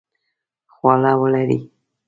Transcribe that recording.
خواړه ولړئ